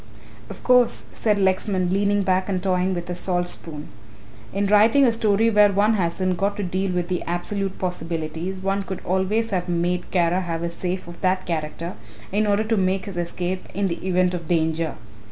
"Of course," said Lexman, leaning back and toying with a salt spoon, "in writing a story where one hasn't got to deal with the absolute possibilities, one could always have made Kara have a safe of that character in order to make his escape in the event of danger.